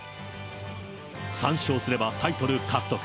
３勝すればタイトル獲得。